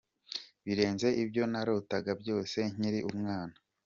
Birenze ibyo narotaga byose nkiri umwana.